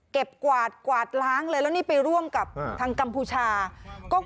เก็บกวาดและกวาดร้าง